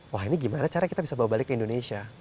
wah ini gimana cara kita bisa bawa balik ke indonesia